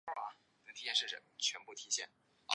卡氏盖蛛为皿蛛科盖蛛属的动物。